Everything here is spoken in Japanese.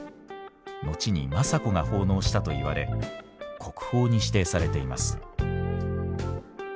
後に政子が奉納したといわれ国宝に指定されています。